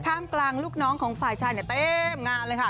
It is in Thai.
กลางลูกน้องของฝ่ายชายเนี่ยเต็มงานเลยค่ะ